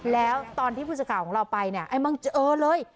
แล้วตอนที่ผู้สื่อข่าวของเราไปเนี่ยไอ้มั่งเจอเลย